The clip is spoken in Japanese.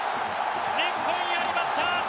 日本、やりました！